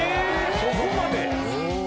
そこまで？